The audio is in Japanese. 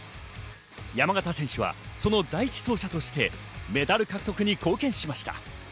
山縣選手はその第１走者としてメダル獲得に貢献しました。